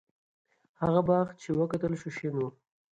هغه باغ چې وکتل شو، شین و.